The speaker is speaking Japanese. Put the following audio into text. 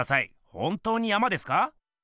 本当に山ですか？